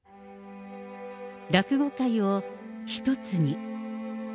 落語会を一つに。